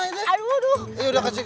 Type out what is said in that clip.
ini dia kacip